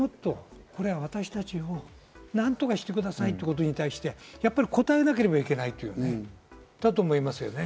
何とかしてくださいということに対して答えなければいけない、だと思いますね。